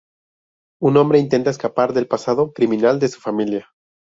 Un hombre intenta escapar del pasado criminal de su familia.